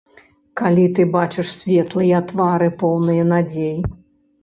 Калі ты бачыш светлыя твары, поўныя надзей.